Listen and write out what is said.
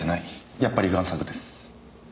やっぱり贋作です。